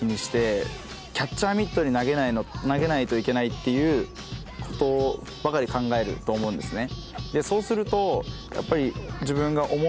っていうことばかり考えると思うんですね。